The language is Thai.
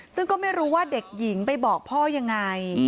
ซึ่งก็ไม่รู้ว่าเด็กหญิงไปบอกพ่อยังไง